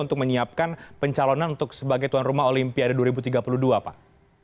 untuk menyiapkan pencalonan untuk sebagai tuan rumah olimpiade dua ribu tiga puluh dua pak